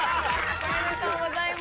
おめでとうございます。